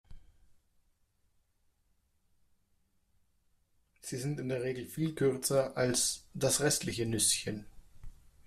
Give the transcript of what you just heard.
Sie sind in der Regel viel kürzer als das restliche Nüsschen.